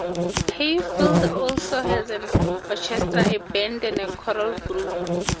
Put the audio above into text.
Hayfield also has an orchestra, a band and a choral group.